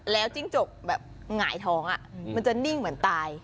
จิ้งจกแบบหงายท้องมันจะนิ่งเหมือนตาย